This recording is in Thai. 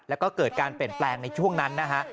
แล้วก็เกิดการเปลี่ยนแปลงในช่วงนั้นนะฮะ